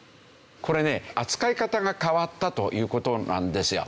これね扱い方が変わったという事なんですよ。